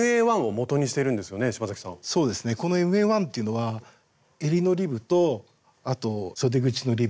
このＭＡ−１というのはえりのリブとあとそで口のリブ。